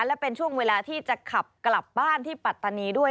และเป็นช่วงเวลาที่จะขับกลับบ้านที่ปัตตานีด้วย